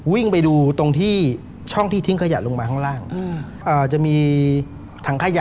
วิ่งไปดูตรงที่ช่องที่ทิ้งขยะลงมาข้างล่างจะมีถังขยะ